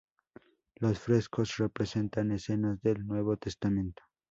Los frescos representan escenas del Nuevo Testamento.